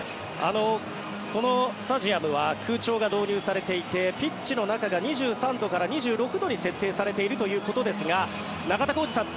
このスタジアムは空調が導入されていてピッチの中が２３度から２６度に設定されているということですが中田浩二さん